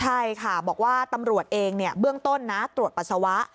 ใช่ค่ะบอกว่าตำรวจเองเบื้องต้นนะตรวจปัสสาวะ